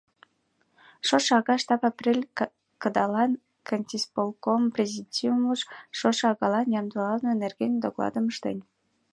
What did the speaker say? Шошо ага штаб апрель кыдалан кантисполком президиумеш шошо агалан ямдылалтме нерген докладым ыштен.